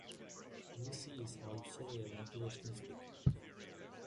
Vucci is also a motivational speaker.